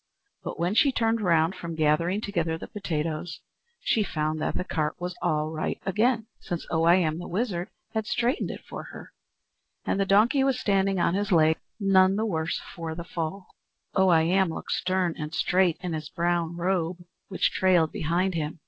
But when she turned round from gathering together the potatoes, she found that the cart was all right again, since Oh I Am the Wizard had straightened it for her, and the donkey was standing on his legs, none the worse for his fall. Oh I Am looked stern and straight in his brown robe which trailed behind him.